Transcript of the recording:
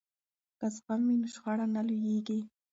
که زغم وي نو شخړه نه لویږي.